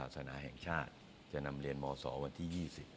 สนาแห่งชาติจะนำเรียนมศวันที่๒๐